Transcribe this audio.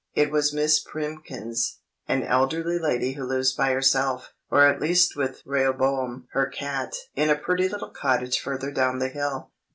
It was Miss Primkins, an elderly lady who lives by herself (or at least with Rehoboam, her cat) in a pretty little cottage further down the hill.